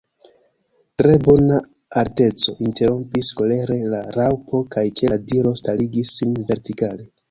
"Tre bona alteco," interrompis kolere la Raŭpo, kaj ĉe la diro starigis sin vertikale.